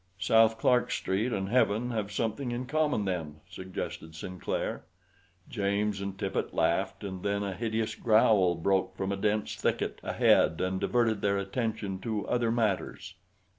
"South Clark Street and heaven have something in common, then," suggested Sinclair. James and Tippet laughed, and then a hideous growl broke from a dense thicket ahead and diverted their attention to other matters.